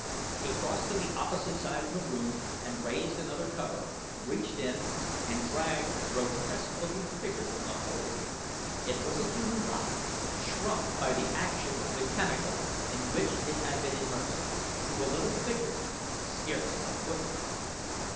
He crossed to the opposite side of the room and raised another cover, reached in and dragged a grotesque looking figure from the hole. It was a human body, shrunk by the action of the chemical in which it had been immersed, to a little figure scarce a foot high.